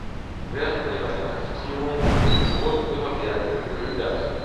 Während ihrer Inhaftierung wurden ihre Werke geplündert.